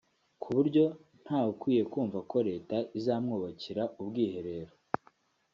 ku buryo ‘ntawe ukwiye kumva ko leta izamwubakira ubwiherero’